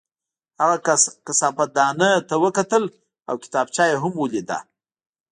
هغه کثافت دانۍ ته وکتل او کتابچه یې هم ولیده